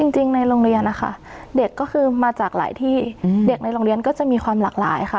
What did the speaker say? ในโรงเรียนนะคะเด็กก็คือมาจากหลายที่เด็กในโรงเรียนก็จะมีความหลากหลายค่ะ